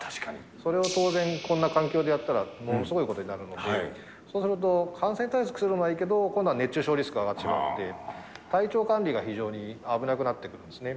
それを当然、こんな環境でやったら、ものすごいことになるので、そうすると、感染対策するのはいいけど、今度は熱中症リスクが上がってしまうので、体調管理が非常に危なくなってくるんですね。